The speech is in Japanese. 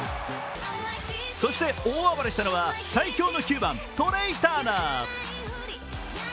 そして、大暴れしたのは最強の９番、トレイ・ターナー。